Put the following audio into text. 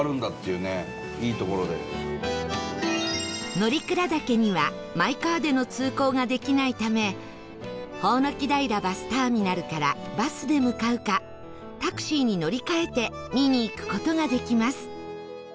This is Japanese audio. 乗鞍岳にはマイカーでの通行ができないためほおのき平バスターミナルからバスで向かうかタクシーに乗り換えて見に行く事ができます